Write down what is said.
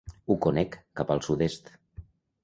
Ho conec, cap al sud-est.